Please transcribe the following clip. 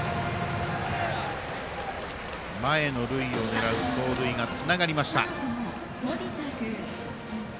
前の塁を狙う走塁がつながりました。